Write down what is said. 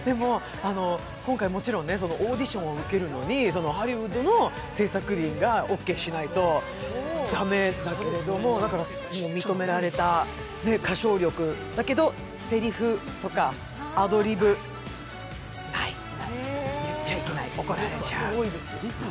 今回もちろん、オーディションを受けるのに、ハリウッドの制作陣がオーケーしないと駄目なんだけど、だから認められた歌唱力だけどだけど、せりふとかアドリブ、言っちゃいけない、怒られちゃう。